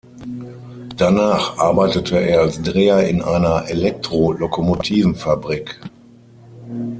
Danach arbeitete er als Dreher in einer Elektrolokomotivenfabrik.